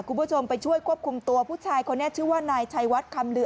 คุณผู้ชมไปช่วยควบคุมตัวผู้ชายคนนี้ชื่อว่านายชัยวัดคำเหลือ